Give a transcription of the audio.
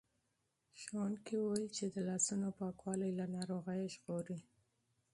استاد وویل چې د لاسونو پاکوالی له ناروغیو ژغوري.